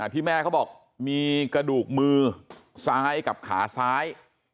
ที่แม่เขาบอกมีกระดูกมือซ้ายกับขาซ้าย